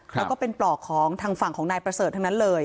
แล้วก็เป็นปลอกของทางฝั่งของนายประเสริฐทั้งนั้นเลย